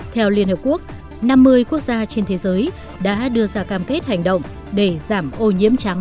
theo liên hợp quốc năm mươi quốc gia trên thế giới đã đưa ra cam kết hành động để giảm ô nhiễm trắng